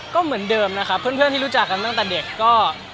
ก็เหมือนเดิมนะครับเพื่อนที่รู้จักกันตั้งแต่เด็กก็